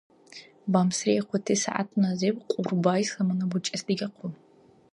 Бамсри ихъути сягӀятуназиб Кьурбайс Замана бучӀес дигахъу.